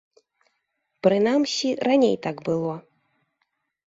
Прынамсі, раней так было.